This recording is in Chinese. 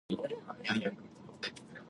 长按复制以下链接